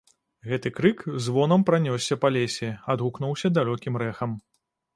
Гэты крык звонам пранёсся па лесе, адгукнуўся далёкім рэхам.